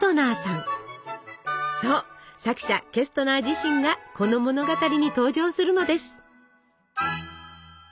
そう作者ケストナー自身がこの物語に登場するのです。